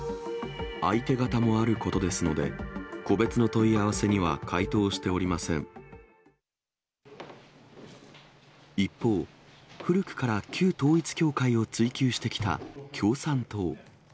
相手方もあることですので、個別の問い合わせには回答してお一方、古くから旧統一教会を追及してきた共産党。